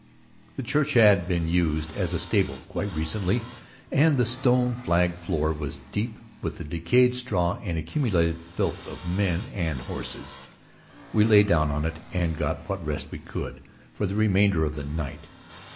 The church had been used as a stable quite recently and the stone flagged floor was deep with the decayed straw and accumulated filth of men and horses. We lay down in it and got what rest we could for the remainder of the night.